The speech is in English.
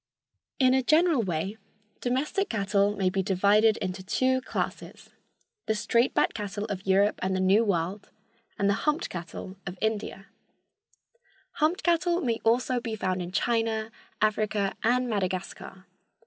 In a general way domestic cattle may be divided into two classes—the straight backed cattle of Europe and the New World and the humped cattle of India. Humped cattle may also be found in China, Africa and Madagascar.